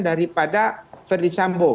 dari pada verdi sambo